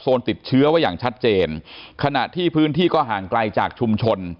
โซนติดเชื้อว่าอย่างชัดเจนขณะที่พื้นที่ก็ห่างกลายจากชุม